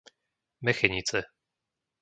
Mechenice